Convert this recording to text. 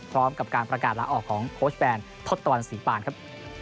พร้อมกับการประกาศลาออกของโค้ชแบนทศตวรรษีปานครับ